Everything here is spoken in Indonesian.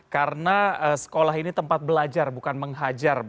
karena sekolah ini tempat belajar bukan menghajar